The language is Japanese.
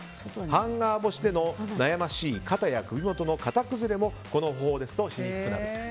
ハンガー干しでの悩ましい肩や首元の型崩れもこの方法ですと、しにくくなる。